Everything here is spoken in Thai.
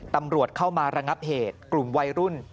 ตำรวจเข้ามาระงับเหตุกลุ่มวัยรุ่น